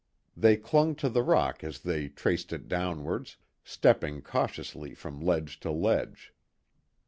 They clung to the rock as they traced it downwards, stepping cautiously from ledge to ledge.